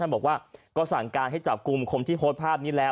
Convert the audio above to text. บอกว่าก็สั่งการให้จับกลุ่มคนที่โพสต์ภาพนี้แล้ว